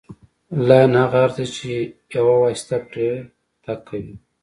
لاین هغه عرض دی چې یوه واسطه پرې تګ کوي